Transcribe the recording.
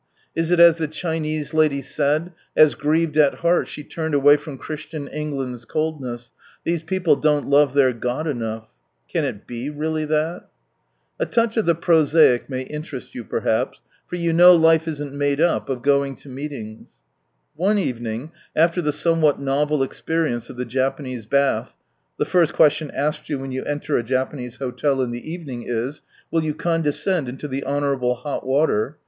Is it as the Chinese lady said, as grieved at heart, she turned away from Christian England's coldness^ " These people don't love their God enough "! Can it be really that ? A touch of the prosaic may interest you perhaps, up of " going to meetings." for you know life isn't made Mission Tour No. i ig One evening, after the somewhat novel experience of the Japanese Bath, (the first question aslced you when yon enter a Japanese hotel in the evening is, " Will vou condescend into the honourable hot water?")